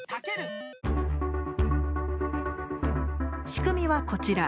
仕組みはこちら。